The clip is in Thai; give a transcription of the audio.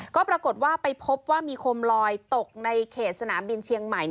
ก็ปรากฏว่าไปพบว่ามีโคมลอยตกในเขตสนามบินเชียงใหม่